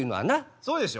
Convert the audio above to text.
そうでしょ？